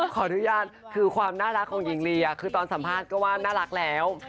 ขออนุญาตคือความน่ารักของหญิงลีคือตอนสัมภาษณ์ก็ว่าน่ารักแล้ว